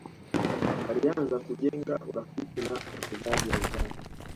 alianza kujenga urafiki na wachezaji wenzake